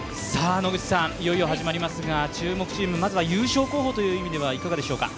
いよいよ始まりますが注目チーム、まずは優勝候補という意味ではいかがでしょうか？